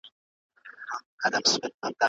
ولي د ډاکټر له مشورې پرته د درملو کارول خطرناک دي؟